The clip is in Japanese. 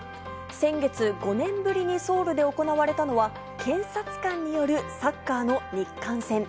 先月、５年ぶりにソウルで行われたのは、検察官によるサッカーの日韓戦。